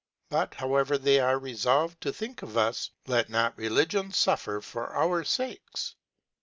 But however ^hey ^re refol ved to think of Us, let not Religion fuffer for our fakes.